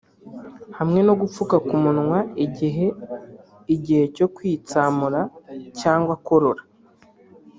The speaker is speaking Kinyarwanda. hamwe no gupfuka ku munwa igihe igihe cyo kwitsamura cyangwa akorora